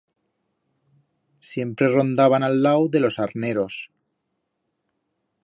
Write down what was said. Siempre rondaban a'l lau de los arneros.